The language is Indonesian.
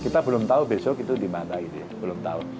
kita belum tahu besok itu di mana gitu ya belum tahu